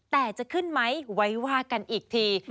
แต่จะขึ้นไหมไว้ว่ากันอีกที